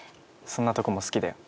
そんなとこも好きだよ